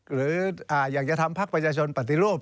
หรืออยากจะทำพักประชาชนปฏิรูป